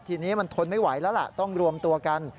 ทีนี้มันทนไม่ไหวแล้วล่ะต้องรวมตัวกัน